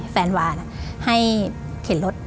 แฟนวานให้เข็นรถ